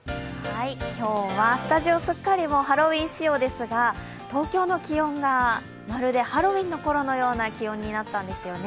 今日はスタジオすっかりハロウィーン仕様ですが東京の気温がまるでハロウィーンのころのような気温になったんですよね。